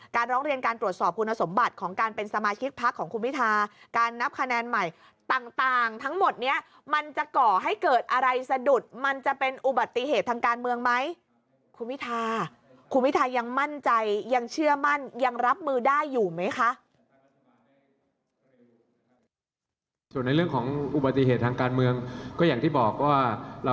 ดังนั้นศาลการณ์สมมุติว่าจะเป็นเรื่องที่หนึ่งที่สองที่สาม